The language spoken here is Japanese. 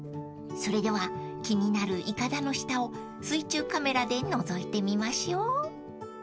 ［それでは気になる筏の下を水中カメラでのぞいてみましょう］